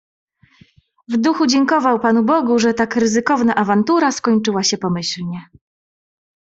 "W duchu dziękował Panu Bogu, że tak ryzykowna awantura skończyła się pomyślnie."